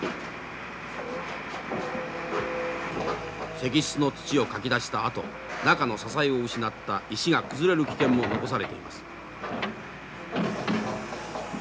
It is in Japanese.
石室の土をかき出したあと中の支えを失った石が崩れる危険も残されています。